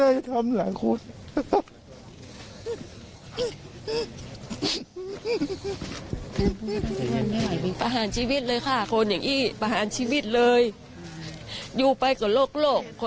อยากให้เขาแบบรับโทษ